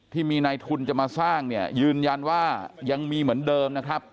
ที่มีนายทุนจะมาสร้างเนี่ยยืนยันว่ายังมีเหมือนเดิมนะครับ